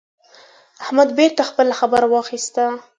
احمد بېرته خپله خبره واخيسته.